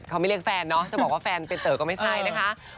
เขาไม่เรียกแฟนเนาะจะบอกว่าแฟนเป็นเต๋อก็ไม่ใช่นะคะ